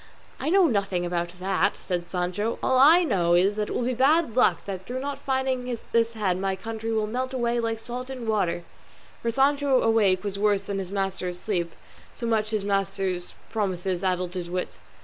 "I know nothing about that," said Sancho; "all I know is it will be my bad luck that through not finding this head my county will melt away like salt in water;" for Sancho awake was worse than his master asleep, so much had his master's promises addled his wits.